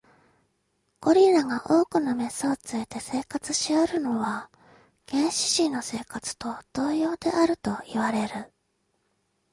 ゴリラが多くの牝を連れて生活しおるのは、原始人の生活と同様であるといわれる。